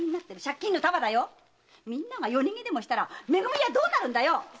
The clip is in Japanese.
みんなが夜逃げしたらめ組はどうなるんだよ